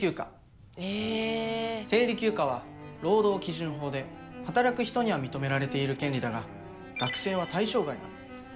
生理休暇は労働基準法で働く人には認められている権利だが学生は対象外なんだ。